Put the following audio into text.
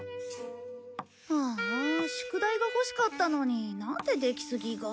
ああ宿題が欲しかったのになんで出木杉が。